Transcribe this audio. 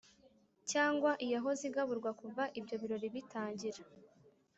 cyangwa iyahoze igaburwa kuva ibyo birori bitangira